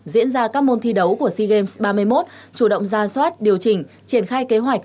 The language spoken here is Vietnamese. diễn ra các môn thi đấu của sea games ba mươi một chủ động ra soát điều chỉnh triển khai kế hoạch